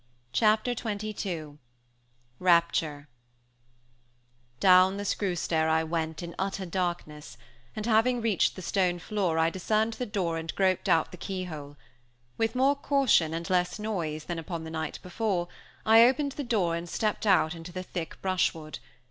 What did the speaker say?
Chapter XXII RAPTURE Down the screw stair I went in utter darkness; and having reached the stone floor I discerned the door and groped out the key hole. With more caution, and less noise than upon the night before, I opened the door and stepped out into the thick brushwood.